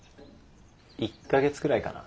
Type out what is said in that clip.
１か月くらいかな。